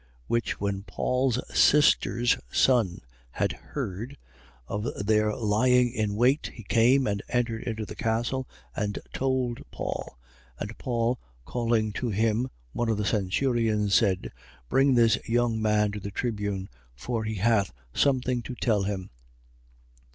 23:16. Which when Paul's sister's son had heard, of their lying in wait, he came and entered into the castle and told Paul. 23:17. And Paul, calling to him one of the centurions, said: Bring this young man to the tribune: for he hath some thing to tell him.